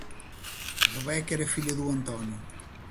Rebeca era filha do Antônio.